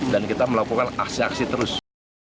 dan kita melakukan aksi aksi terus